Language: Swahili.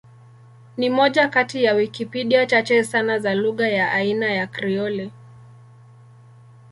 Ni moja kati ya Wikipedia chache sana za lugha ya aina ya Krioli.